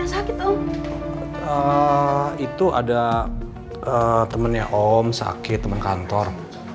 eee itu ada temennya om sakit temen kantor